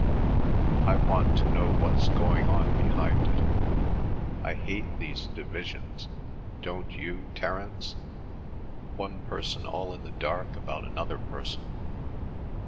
I want to know what's going on behind it. I hate these divisions, don't you, Terence? One person all in the dark about another person.